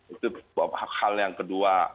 itu hal yang kedua